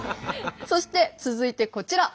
そして続いてこちら。